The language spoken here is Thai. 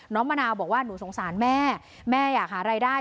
มะนาวบอกว่าหนูสงสารแม่แม่อยากหารายได้